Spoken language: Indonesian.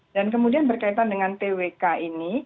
dan kemudian berkaitan dengan twk ini